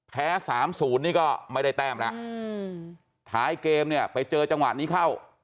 แพ้๓๐นี่ก็ไม่ได้แต้มแล้วท้ายเกมเนี่ยไปเจอจังหวะนี้เข้า